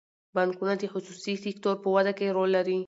بانکونه د خصوصي سکتور په وده کې رول لري.